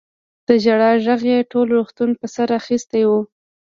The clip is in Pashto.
د ژړا غږ يې ټول روغتون په سر اخيستی و.